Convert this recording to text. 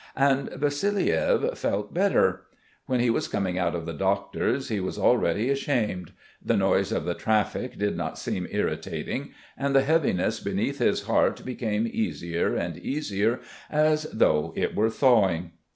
And Vassiliev felt better. When he was coming out of the doctor's he was already ashamed; the noise of the traffic did not seem irritating, and the heaviness beneath his heart became easier and easier as though it were thawing.